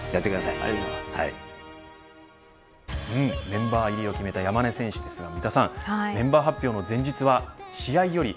メンバー入りを決めた山根選手ですが、三田さんメンバー発表の前日は、試合より